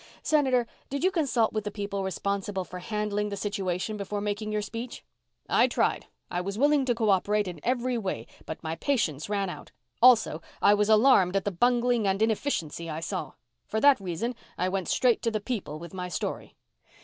"Senator, did you consult with the people responsible for handling the situation before making your speech?" "I tried. I was willing to co operate in every way, but my patience ran out. Also, I was alarmed at the bungling and inefficiency I saw. For that reason I went straight to the people with my story."